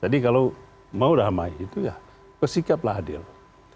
jadi satu pesan yang disampaikan oleh pak sby melalui tweet ini